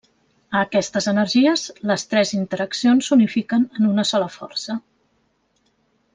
A aquestes energies, les tres interaccions s'unifiquen en una sola força.